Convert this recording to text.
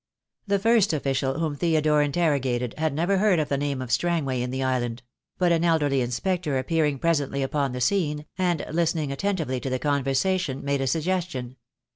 The first official whom Theodore interrogated had never heard of the name of Strangway in the island; but an elderly inspector appearing presently upon the scene, and listening attentively to the conversation, made a sug gestion.